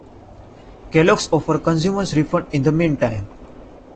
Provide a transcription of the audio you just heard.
"Kellogg's" offered consumers refunds in the meantime.